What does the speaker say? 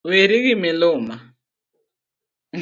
Weri gi miluma.